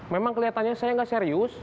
memang kelihatannya saya nggak serius